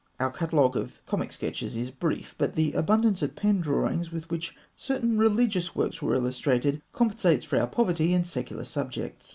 Our catalogue of comic sketches is brief; but the abundance of pen drawings with which certain religious works were illustrated compensates for our poverty in secular subjects.